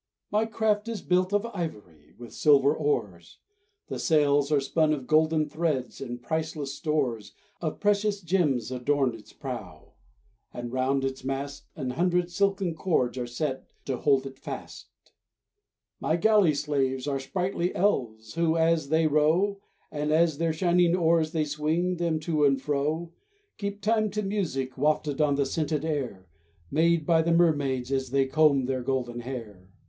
My craft is built of ivory, With silver oars, The sails are spun of golden threads, And priceless stores Of precious gems adorn its prow, And 'round its mast An hundred silken cords are set To hold it fast. My galley slaves are sprightly elves Who, as they row, And as their shining oars they swing Them to and fro, Keep time to music wafted on The scented air, Made by the mermaids as they comb Their golden hair.